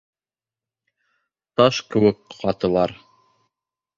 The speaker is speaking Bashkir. Таш кеүек ҡатылар.